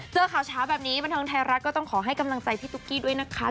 เจอข่าวเช้าแบบนี้บันเทิงไทยรัฐก็ต้องขอให้กำลังใจพี่ตุ๊กกี้ด้วยนะคะ